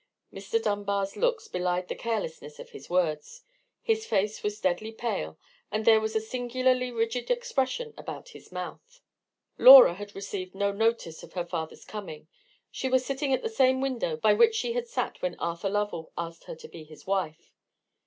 Mr. Dunbar's looks belied the carelessness of his words. His face was deadly pale, and there was a singularly rigid expression about his mouth. Laura had received no notice of her father's coming. She was sitting at the same window by which she had sat when Arthur Lovell asked her to be his wife.